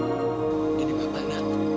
ini bapak nak